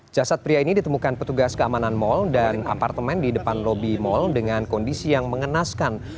jasad pria ini ditemukan petugas keamanan mal dan apartemen di depan lobi mal dengan kondisi yang mengenaskan